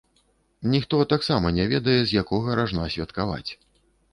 Ніхто таксама не ведае, з якога ражна святкаваць.